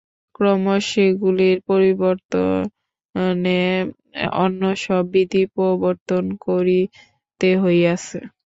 ক্রমশ সেগুলির পরিবর্তে অন্য সব বিধি প্রবর্তন করিতে হইয়াছে।